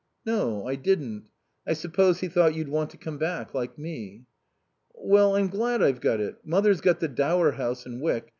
"No, I didn't. I suppose he thought you'd want to come back, like me." "Well, I'm glad I've got it. Mother's got the Dower House in Wyck.